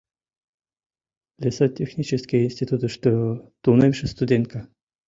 Лесотехнический институтышто тунемше студентка...